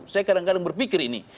saya kadang kadang berpikir ini